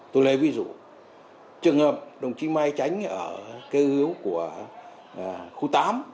tôi lấy ví dụ trường hợp đồng chí mai tránh ở cơ yếu của khu tám